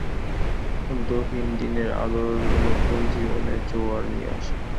অন্তহীন দিনের আলো নতুন জীবনের জোয়ার নিয়ে আসে।